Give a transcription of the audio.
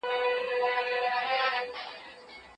جمله باید هغسې وویل شي لکه څنګه چې لیکل شوې وي.